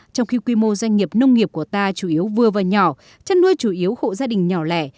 trong khi quy mô doanh nghiệp nông nghiệp của ta chủ yếu vừa và nhỏ chăn nuôi chủ yếu hộ gia đình nhỏ lẻ